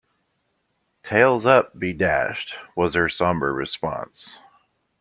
"Tails up be dashed," was her sombre response.